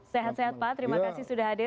sehat sehat pak terima kasih sudah hadir